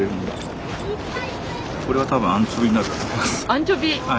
アンチョビ。